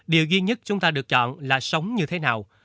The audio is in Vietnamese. điều duy nhất chúng ta được chọn là sống như thế nào